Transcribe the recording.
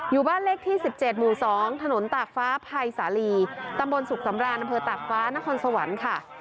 อยู่บ้านเลขที่๑๗หมู่๒ถนนตากฟ้าภัยสาลีตำบลสุขสำรานอำเภอตากฟ้านครสวรรค์ค่ะ